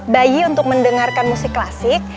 bayi untuk mendengarkan musik klasik